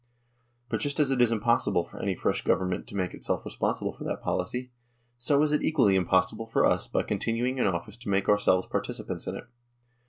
But just as it is impossible for any fresh Government to make itself responsible for that policy, so is it equally impossible for us by continuing in office to make ourselves participants in it.